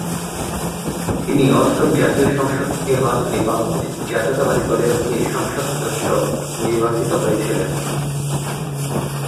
তিনি অষ্টম জাতীয় সংসদ নির্বাচনে বাংলাদেশ জাতীয়তাবাদী দলের হয়ে সংসদ সদস্য নির্বাচিত হয়েছিলেন।